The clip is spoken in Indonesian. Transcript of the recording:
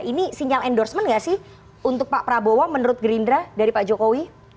ini sinyal endorsement gak sih untuk pak prabowo menurut gerindra dari pak jokowi